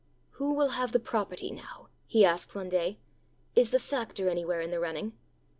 "Who will have the property now?" he asked one day. "Is the factor anywhere in the running?"